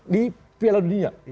di piala dunia